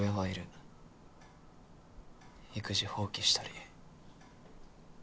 育児放棄したり。